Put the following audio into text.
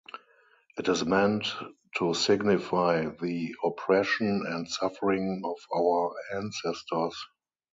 It is meant to signify the oppression and suffering of our ancestors.